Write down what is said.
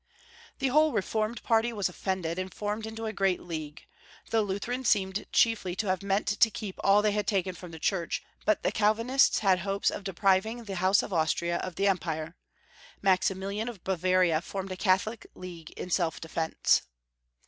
The whole reformed party was offended, and formed into a great league. The Lutherans seem chiefly to have meant to keep all they had taken from the Church, but the Calvinists had hopes of depriving the House of Austria of the Empire. Maximilian of Bavaria formed a Catholic League in self defence.